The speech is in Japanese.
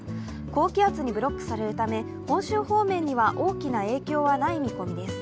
高気圧にブロックされるため本州方面には大きな影響はない見込みです。